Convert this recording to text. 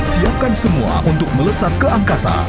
siapkan semua untuk melesat ke angkasa